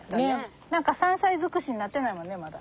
何か山菜尽くしになってないもんねまだ。